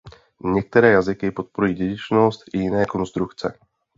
Některé jazyky podporují dědičnost i jiné konstrukce.